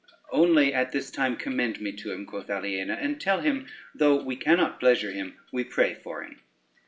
"Only at this time commend me to him," quoth Aliena, "and tell him, though we cannot pleasure him we pray for him."